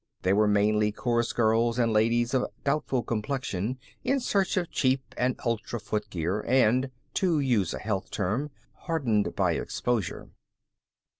They were mainly chorus girls and ladies of doubtful complexion in search of cheap and ultra footgear, and to use a health term hardened by exposure.